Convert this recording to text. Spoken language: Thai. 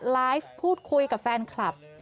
ไลฟ์พูดคุยกับแฟนคลับ